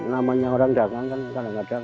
namanya orang datang kan kadang kadang